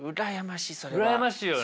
うらやましいよね。